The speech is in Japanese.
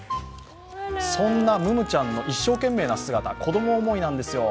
そんなムムちゃんの一生懸命な姿、子供思いなんですよ。